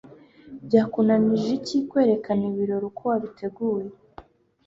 Byakunanije iki kwerekana ibirori uko wabiteguye,